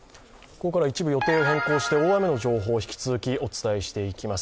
ここからは一部予定を変更して大雨の情報を引き続きお伝えしていきます。